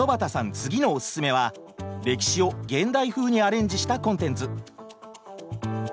次のおススメは歴史を現代風にアレンジしたコンテンツ。